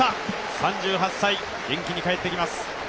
３８歳、元気に帰ってきます。